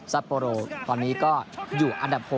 โปโรตอนนี้ก็อยู่อันดับ๖